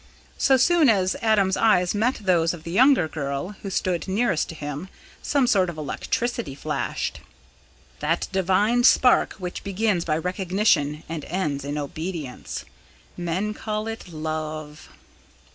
So soon as Adam's eyes met those of the younger girl, who stood nearest to him, some sort of electricity flashed that divine spark which begins by recognition, and ends in obedience. Men call it "Love."